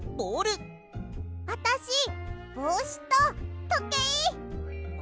あたしぼうしととけい！